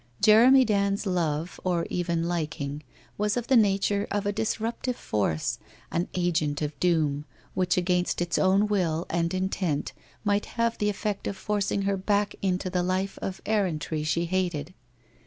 Jeremy Dand's love or even liking, was of the nature of a disruptive force, an agent of doom, winch against its own will and intent might have the effect of forcing her back into the life of errantry she hated.